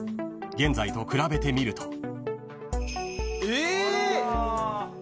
［現在と比べてみると］